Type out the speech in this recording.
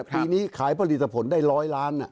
ปีนี้ขายผลิตผลได้๑๐๐ล้าน